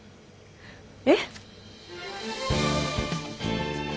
えっ？